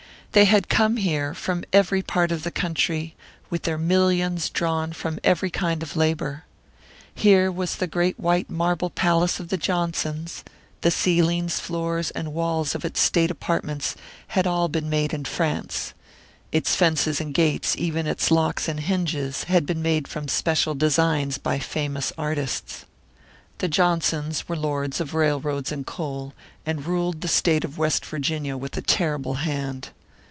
They had come here from every part of the country, with their millions drawn from every kind of labour. Here was the great white marble palace of the Johnsons the ceilings, floors, and walls of its state apartments had all been made in France; its fences and gates, even its locks and hinges, had been made from special designs by famous artists. The Johnsons were lords of railroads and coal, and ruled the state of West Virginia with a terrible hand.